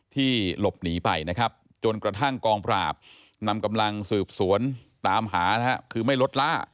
ที่หลบหนีไปนะครับจนกระทั่งกองปราบนำกำลังสืบสวนตามหานะฮะคือไม่ลดล่า